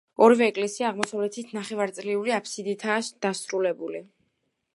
ორივე ეკლესია აღმოსავლეთით ნახევარწრიული აფსიდითაა დასრულებული.